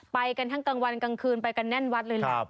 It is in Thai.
ไปกันทั้งกลางวันกลางคืนไปกันแน่นวัดเลยแหละ